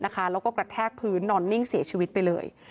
แล้วก็กระแทกพื้นนอนนิ่งเสียชีวิตไปเลย